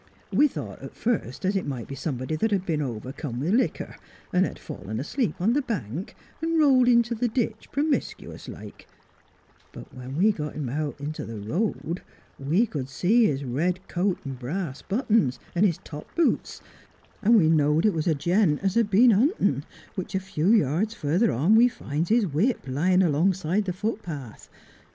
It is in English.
We thought at first as it might be somebody that had been overcome with liquor, and had fallen asleep on the bank, and rolled into the ditch promiscuous like, but when we got him out into the road, we could see his red coat and brass buttons and his top boots, and we know'd it was a gent as had been huntin', which a few yards further on we finds his whip lying alongside the footpath.